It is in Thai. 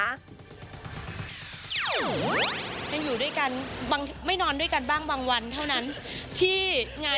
ยังอยู่ด้วยกันบางไม่นอนด้วยกันบ้างบางวันเท่านั้นที่งาน